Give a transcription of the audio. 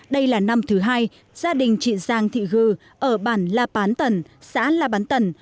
đây là năm thứ hai gia đình chị giang thị gư ở bản la bán tần xã la bán tần